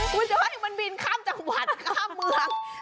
คุณจะให้มันบินข้ามจังหวัดข้ามเมือง